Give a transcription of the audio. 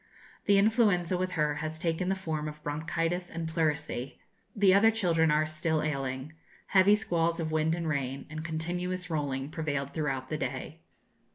The influenza with her has taken the form of bronchitis and pleurisy. The other children are still ailing. Heavy squalls of wind and rain, and continuous rolling, prevailed throughout the day.